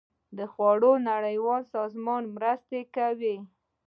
د خوړو نړیوال سازمان مرستې کوي